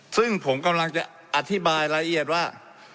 ซึ่งผมกำลังจะอธิบายรายละเอียดว่า